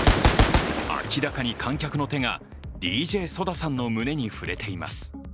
明らかに観客の手がＤＪＳＯＤＡの胸に触れています。